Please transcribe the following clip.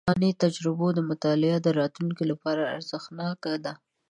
د پخوانیو تجربو مطالعه د راتلونکي لپاره ارزښتناکه ده.